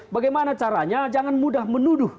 bagaimana caranya jangan mudah menuduh